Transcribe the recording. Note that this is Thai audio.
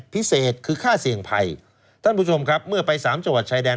พิเศษคือค่าเสี่ยงภัยท่านผู้ชมครับเมื่อไปสามจังหวัดชายแดน